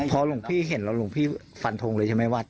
พอหลวงพี่เห็นแล้วหลวงพี่ฟันทงเลยใช่ไหมว่า